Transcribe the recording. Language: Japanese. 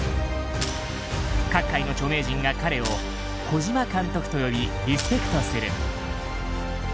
各界の著名人が彼を「小島監督」と呼びリスペクトする。